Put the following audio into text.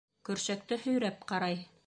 Көршәкте һөйрәп ҡарай.